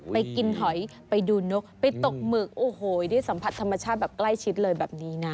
ไปกินหอยไปดูนกไปตกหมึกโอ้โหได้สัมผัสธรรมชาติแบบใกล้ชิดเลยแบบนี้นะ